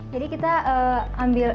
jadi kita ambil api dari sosial media